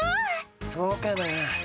そうかな。